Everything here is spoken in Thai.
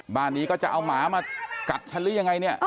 บ้านนี้ก็จะเอาหมากัดฉันอย่างไร